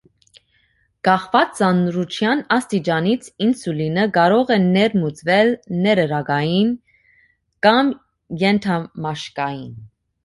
Կախված ծանրության աստիճանից ինսուլինը կարող է ներմուծվել ներերակային կամ ենթամաշկային։